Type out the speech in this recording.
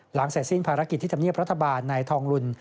หลังเสร็จสิ้นภารกิจที่ธรรมเนียบรัฐบาลนายทองลุน